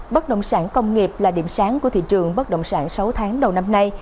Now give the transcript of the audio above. bất động sản công nghiệp là điểm sáng của thị trường bất động sản sáu tháng đầu năm nay